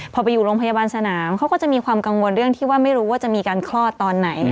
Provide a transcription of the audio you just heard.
พอไปอยู่โรงพยาบาลสนามเขาก็จะมีความกังวลเรื่องที่ว่าไม่รู้ว่าจะมีการคลอดตอนไหน